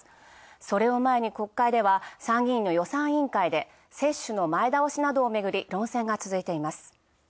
それを前に国会では参議院の予算委員会で、接種の前倒しなどをめぐり論戦が続いています。